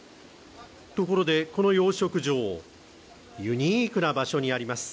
ところで、この養殖場、ユニークな場所にあります。